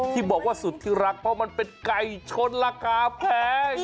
ที่บอกว่าสุดที่รักเพราะมันเป็นไก่ชนราคาแพง